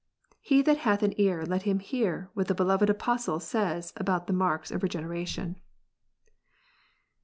He that hath an ear let him hear what the * Moved Apostle says about the marks of Regeneration.